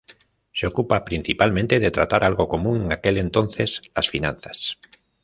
Se ocupa principalmente de tratar algo común en aquel entonces, las finanzas.